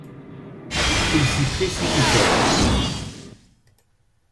Ils s'y précipitèrent.